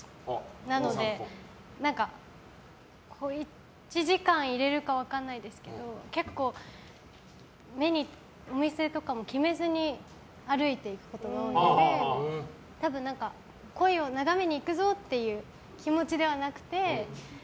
なので、小一時間いれるか分かんないですけど結構、お店とかも決めずに歩いていくことが多いので多分、鯉を眺めに行くぞっていう気持ちではなくて。